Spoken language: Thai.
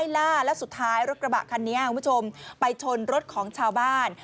และสุดท้ายรถกระบะคันนี้ไปชนรถของชาวบ้าน